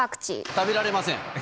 食べられません。